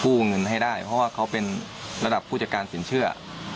เขาเป็นระดับผู้จัดการสินเชื่อเขาเป็นระดับผู้จัดการสินเชื่อ